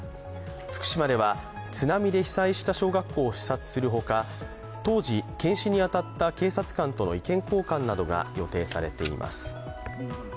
福島では津波で被災した小学校を視察するほか当時、検視に当たった警察官との意見交換などが予定されています。